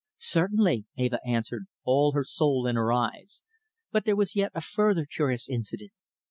"Certainly," Eva answered, all her soul in her eyes. "But there was yet a further curious incident.